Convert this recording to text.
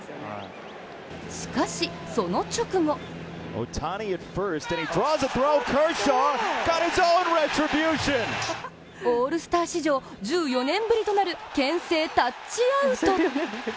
しかし、その直後オールスター史上１４年ぶりとなるけん制タッチアウト。